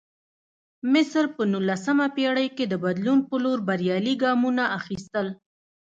مصر په نولسمه پېړۍ کې د بدلون په لور بریالي ګامونه اخیستل.